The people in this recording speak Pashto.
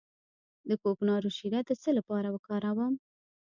د کوکنارو شیره د څه لپاره وکاروم؟